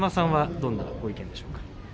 どんなご意見でしょうか。